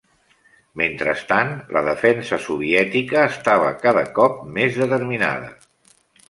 Mentrestant, la defensa soviètica estava cada cop més determinada.